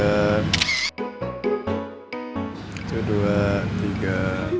satu dua tiga